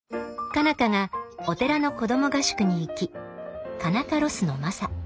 佳奈花がお寺の子ども合宿に行き佳奈花ロスのマサ。